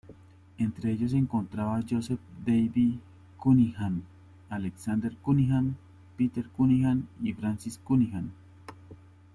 Entre ellos se encontraban Joseph Davey Cunningham, Alexander Cunningham, Peter Cunningham y Francis Cunningham.